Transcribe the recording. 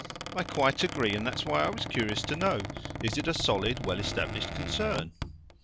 "I quite agree, and that's why I was curious to know: is it a solid, well established concern?"